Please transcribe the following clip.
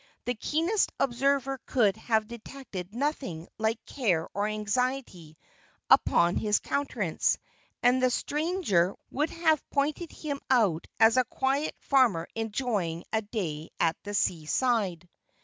The keenest observer could have detected nothing like care or anxiety upon his countenance, and the stranger would have pointed him out as a quiet farmer enjoying a day at the sea side.